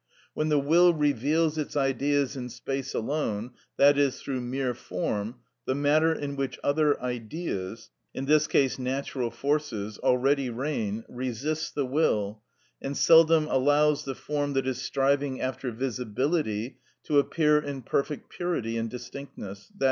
When the will reveals its Ideas in space alone, i.e., through mere form, the matter in which other Ideas—in this case natural forces—already reign, resists the will, and seldom allows the form that is striving after visibility to appear in perfect purity and distinctness, _i.